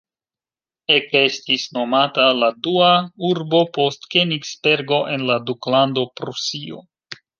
Ekestis nomata la dua urbo post Kenigsbergo en la Duklando Prusio.